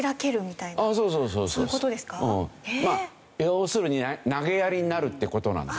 要するに投げやりになるっていう事なんです。